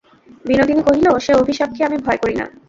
বিনোদিনী কহিল, সে অভিশাপকে আমি ভয় করি না।